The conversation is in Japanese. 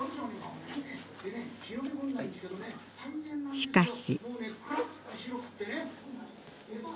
しかし。